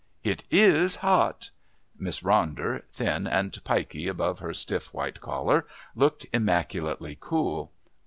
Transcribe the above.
"It is hot!" Miss Ronder, thin and piky above her stiff white collar, looked immaculately cool.